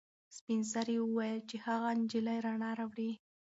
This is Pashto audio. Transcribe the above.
سپین سرې وویل چې هغه نجلۍ رڼا راوړي.